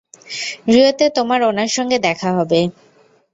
রিওতে তোমার ওনার সঙ্গে দেখা হবে।